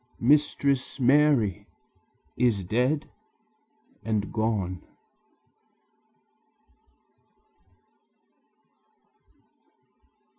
Mistress Mary is dead and gone!"